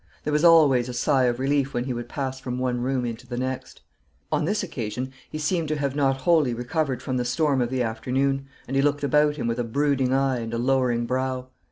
There was always a sigh of relief when he would pass from one room into the next. On this occasion he seemed to have not wholly recovered from the storm of the afternoon, and he looked about him with a brooding eye and a lowering brow.